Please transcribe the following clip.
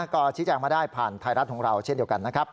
ก็ชี้แจงมาได้ผ่านไทยรัฐของเราเช่นเดียวกันนะครับ